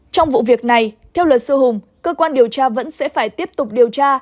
trong vụ việc này theo luật sư hùng cơ quan điều tra vẫn sẽ phải tiếp tục điều tra